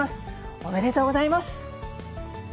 おめでとうございます。